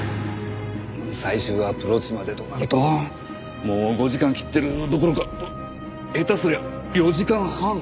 最終アプローチまでとなるともう５時間切ってるどころか下手すりゃ４時間半。